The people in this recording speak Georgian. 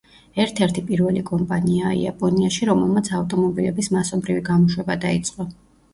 ერთ-ერთი პირველი კომპანიაა იაპონიაში, რომელმაც ავტომობილების მასობრივი გამოშვება დაიწყო.